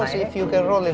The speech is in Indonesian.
memasukkannya ke mulut anda